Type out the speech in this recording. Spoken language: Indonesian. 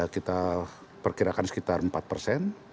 kita perkirakan sekitar empat persen